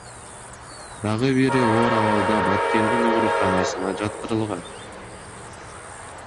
Дагы бири оор абалда Баткендин ооруканасына жаткырылган.